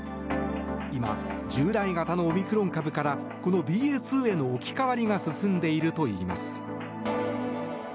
今、従来型のオミクロン株からこのＢＡ．２への置き換わりが進んでいるといいます。